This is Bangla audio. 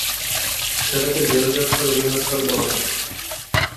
সেটাকে জেলযাত্রার রিহার্সাল বলা হত।